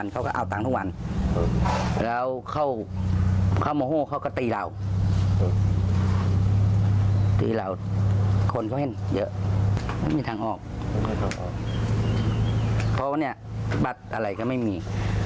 เพราะว่าบัตรอะไรก็ไม่มี